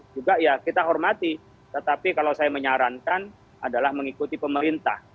juga ya kita hormati tetapi kalau saya menyarankan adalah mengikuti pemerintah